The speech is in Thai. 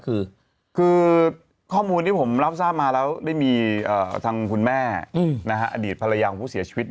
คือข้อมูลที่ผมรับทราบมาแล้วได้มีทางคุณแม่อดีตภรรยาของผู้เสียชีวิต